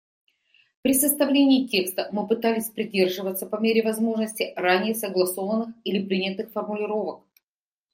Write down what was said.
При составлении текста мы пытались придерживаться по мере возможности ранее согласованных или принятых формулировок.